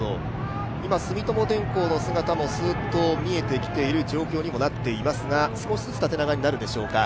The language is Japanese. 住友電工の姿も見えてきている状況になっていますが少しずつ縦長になるんでしょうか。